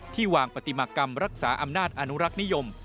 วางปฏิมากรรมรักษาอำนาจอนุรักษ์นิยม